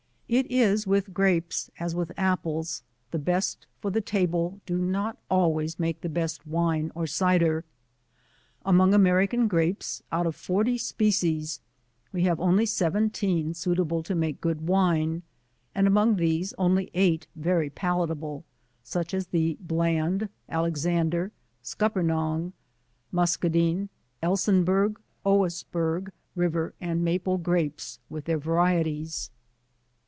It is \^ith "Grapes as with Apples, the best for the table do not al ways make the best Wine or Cider. Among American Grapes, out of 40 species, we have only 17 suitable to make good Wine, and among these only 8 very palata ble, such as the Bland, Alexander, Scupernong, Musca dine, Elsinburg, Owisburg, River and Maple Grapes, with their varieties.